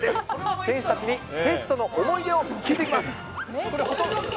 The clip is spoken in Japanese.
選手たちにテストの思い出を聞いてきます。